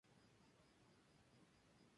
Puede acumularse el agua a diversas temperaturas.